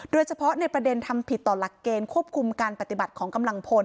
โดยเฉพาะในประเด็นทำผิดต่อหลักเกณฑ์ควบคุมการปฏิบัติของกำลังพล